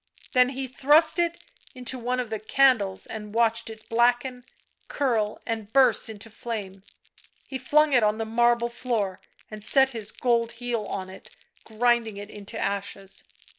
Then he thrust it into one of the candles and watched it blacken, curl, burst into flame. He flung it on the marble floor and set his gold heel on it, grinding it into ashes.